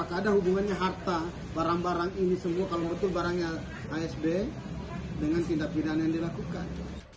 tidak ada hubungannya harta barang barang ini semua kalau betul barangnya asb dengan tindak pidana yang dilakukan